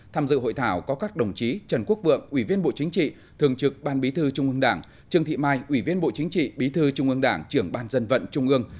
tham dự hội thảo có các đồng chí trần quốc vượng ủy viên bộ chính trị thường trực ban bí thư trung ương đảng trương thị mai ủy viên bộ chính trị bí thư trung ương đảng trưởng ban dân vận trung ương